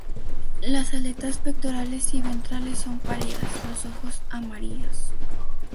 Las aletas pectorales y ventrales son pálidas, los ojos amarillos.